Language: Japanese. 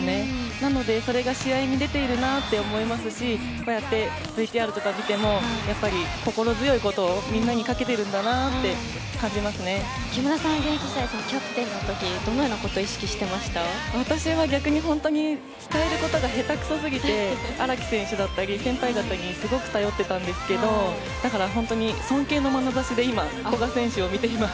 なので、それが試合に出ているなと思いますしこうやってＶＴＲとかを見てもやっぱり心強い言葉をみんなにか木村さんは現役時代キャプテンのときどのようなことを私は逆に本当に伝え方が下手くそすぎて荒木選手だったり先輩方にすごく頼っていたんですけどだから本当に尊敬のまなざしで今古賀選手を見ています。